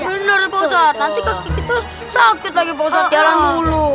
bener deh pak ustaz nanti kaki kita sakit lagi pak ustaz jalan dulu